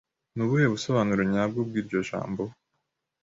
Ni ubuhe busobanuro nyabwo bw'iryo jambo?